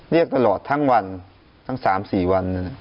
เรียกตลอดทั้งวันทั้ง๓๔วัน